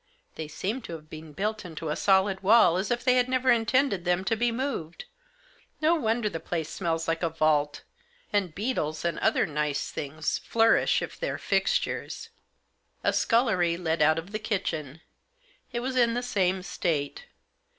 They seem to have been built into the solid wall, as if they had never intended them to be moved. No wonder the place smells like a vault, and beetles, and other nice things, flourish, if they're fixtures." A scullery led out of the kitchen. It was in the same state.